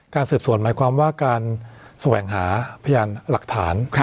สืบสวนหมายความว่าการแสวงหาพยานหลักฐาน